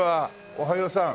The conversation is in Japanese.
おはようさん。